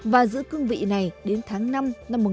và giữ cương vị này đến tháng năm năm một nghìn chín trăm bảy mươi